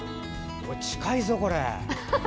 近いぞ、これ。